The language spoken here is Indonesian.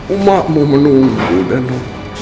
umatmu menunggu danu